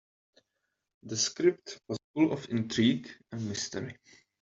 The script was full of intrigue and mystery.